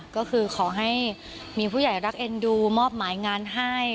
ก็คือขอให้มีผู้ใหญ่รักเอ็นดูมอบหมายงานให้